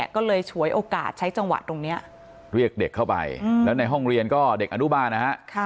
ก็เลยฉวยโอกาสใช้จังหวะตรงนี้เรียกเด็กเข้าไปแล้วในห้องเรียนก็เด็กอนุบาลนะฮะ